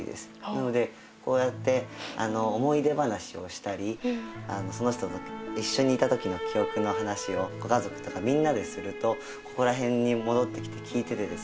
なのでこうやって思い出話をしたりその人と一緒にいた時の記憶の話をご家族とかみんなでするとここら辺に戻ってきて聞いててですね